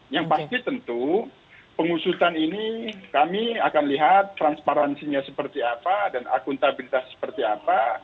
yang pasti tentu pengusutan ini kami akan lihat transparansinya seperti apa dan akuntabilitas seperti apa